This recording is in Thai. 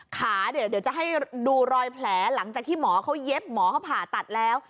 ขาเดี๋ยวจะให้ดูรอยแผลหลังจากที่หมอเขาเย็บหมอเขาผ่าตัดแล้ว